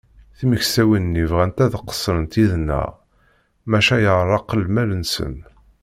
Timeksawin-nni bɣant ad qeṣṣrent yid-neɣ, maca yeɛreq lmal-nsent.